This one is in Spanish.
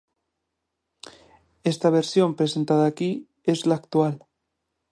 Esta versión presentada aquí es la actual.